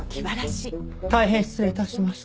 大変失礼致しました。